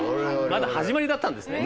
まだ始まりだったんですね。